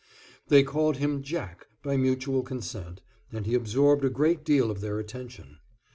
They called him "Jack" by mutual consent, and he absorbed a great deal of their attention.